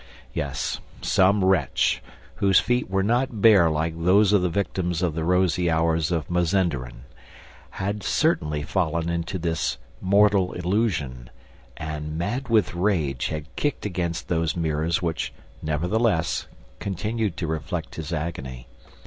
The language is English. Yes, some wretch, whose feet were not bare like those of the victims of the rosy hours of Mazenderan, had certainly fallen into this "mortal illusion" and, mad with rage, had kicked against those mirrors which, nevertheless, continued to reflect his agony.